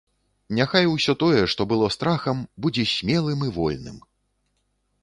Няхай усё тое, што было страхам, будзе смелым і вольным.